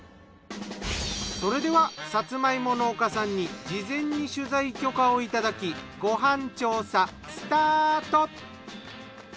それではさつま芋農家さんに事前に取材許可をいただきご飯調査スタート。